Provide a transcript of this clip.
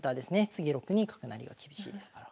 次６二角成が厳しいですから。